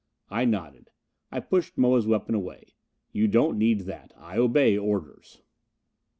I nodded. I pushed Moa's weapon away. "You don't need that. I obey orders."